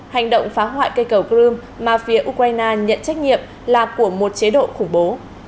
hành động phá hoại cây cầu crimea mà phía ukraine nhận trách nhiệm là của một chế độ khủng bố